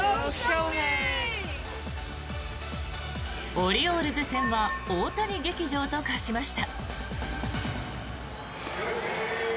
オリオールズ戦は大谷劇場と化しました。